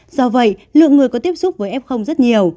do vậy lượng người có tiếp xúc với f rất nhiều